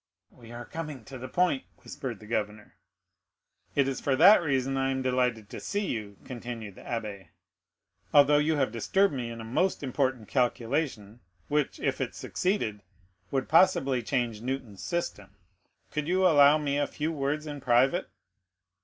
"We are coming to the point," whispered the governor. "It is for that reason I am delighted to see you," continued the abbé, "although you have disturbed me in a most important calculation, which, if it succeeded, would possibly change Newton's system. Could you allow me a few words in private."